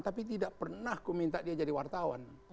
tapi tidak pernah aku minta dia jadi wartawan